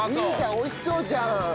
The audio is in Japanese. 美味しそうじゃん。